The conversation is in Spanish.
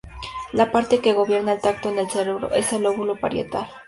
La parte que gobierna el tacto en el cerebro es el lóbulo parietal.